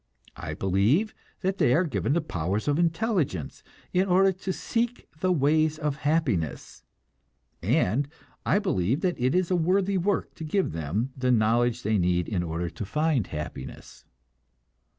I believe that they are given the powers of intelligence in order to seek the ways of happiness, and I believe that it is a worthy work to give them the knowledge they need in order to find happiness.